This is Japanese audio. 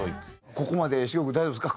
ここまで茂雄君大丈夫ですか？